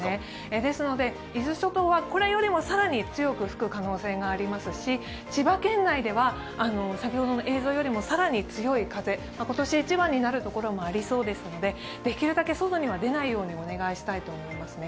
ですので伊豆諸島はこれよりも更に強く吹く可能性がありますし千葉県内では、先ほどの映像よりも更に強い風、今年一番になるところもありそうですので、できるだけ外には出ないようにお願いしたいですね。